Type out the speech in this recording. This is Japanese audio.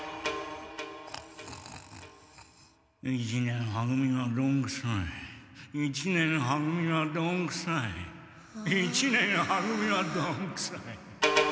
一年は組はどんくさい一年は組はどんくさい一年は組はどんくさい。